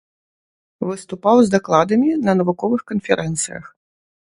Выступаў з дакладамі на навуковых канферэнцыях.